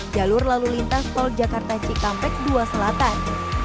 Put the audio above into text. jalur lalu lintas tol jakarta cikampek dua selatan